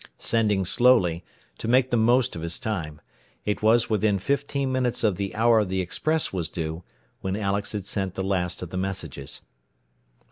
Sending slowly, to make the most of his time, it was within fifteen minutes of the hour the express was due when Alex had sent the last of the messages.